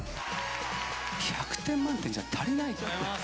１００点満点じゃ足りない。